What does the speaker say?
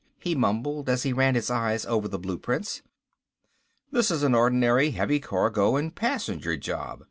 he mumbled as he ran his eyes over the blueprints. "This is an ordinary heavy cargo and passenger job.